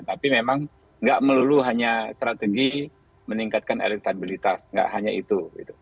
tapi memang nggak melulu hanya strategi meningkatkan elektabilitas nggak hanya itu